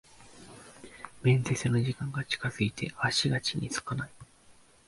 面接の時間が近づいて足が地につかない